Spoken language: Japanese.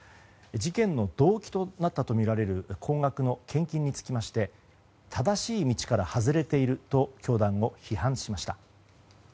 事件の動機となったとみられる高額の献金につきまして正しい道から外れていると教団を批判しました。